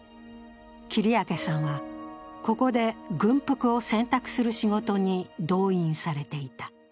切明さんは、ここで軍服を洗濯する仕事に動員されていた。